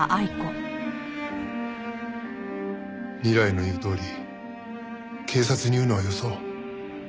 未来の言うとおり警察に言うのはよそう。